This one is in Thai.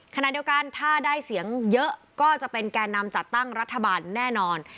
ขณะเดียวกันถ้าได้เสียงเยอะก็จะเป็นแก่นำจัดตั้งรัฐบาลแน่นอน